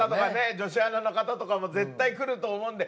女子アナの方とかも絶対くると思うんで。